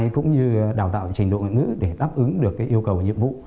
cũng như đào tạo trình độ ngoại ngữ để đáp ứng được yêu cầu và nhiệm vụ